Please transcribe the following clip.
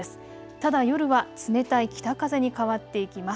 ただ夜は冷たい北風に変わっていきます。